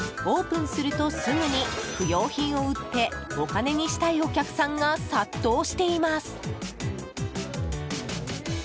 オープンするとすぐに不用品を売ってお金にしたいお客さんが殺到しています。